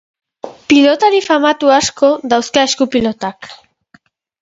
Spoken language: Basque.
Pilotari famatu asko dauzka esku-pilotak.